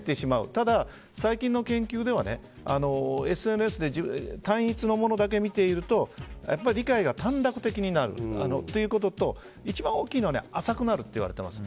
ただ、最近の研究ではＳＮＳで単一のものだけ見ていると理解が短絡的になるということと一番大きいのは浅くなるといわれています。